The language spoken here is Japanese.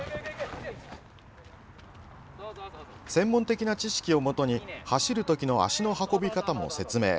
専門的な知識をもとに走る時の足の運び方も説明。